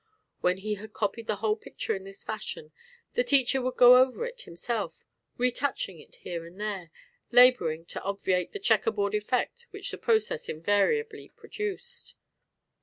When he had copied the whole picture in this fashion the teacher would go over it himself, retouching it here and there, labouring to obviate the checker board effect which the process invariably produced.